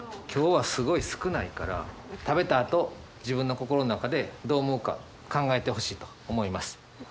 今日はすごい少ないから食べたあと自分の心の中でどう思うか考えてほしいと思います。